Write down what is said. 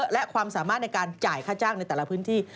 และความสามารถในการจ่ายค่าจ้างในแต่ละพื้นที่